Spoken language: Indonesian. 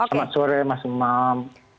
selamat sore mas umam